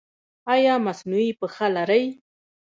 ایا مصنوعي پښه لرئ؟